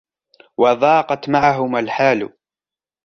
وَضَاقَتْ مَعَهُمَا الْحَالُ